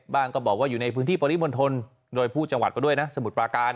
ก็บอกว่าอยู่ในพื้นที่ปริมณฑลโดยผู้จังหวัดไปด้วยนะสมุทรปราการ